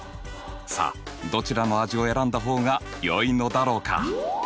さあどちらの味を選んだ方がよいのだろうか？